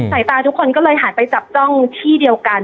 สายตาทุกคนก็เลยหันไปจับจ้องที่เดียวกัน